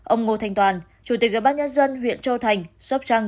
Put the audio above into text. ông ngô thanh toàn chủ tịch ủy ban nhân dân huyện châu thành sóc trăng